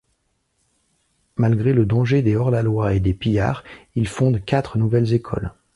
Malgré le danger des hors-la-loi et des pillards, il fonde quatre nouvelles écoles.